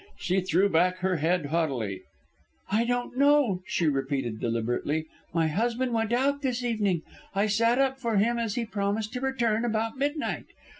She threw back her head haughtily. "I don't know," she repeated deliberately. "My husband went out this evening. I sat up for him as he promised to return about midnight.